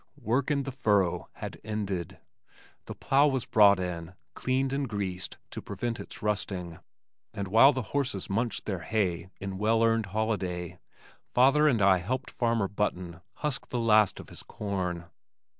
Work in the furrow had ended. The plow was brought in, cleaned and greased to prevent its rusting, and while the horses munched their hay in well earned holiday, father and I helped farmer Button husk the last of his corn.